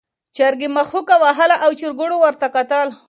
چرګې مښوکه وهله او چرګوړو ورته کتل.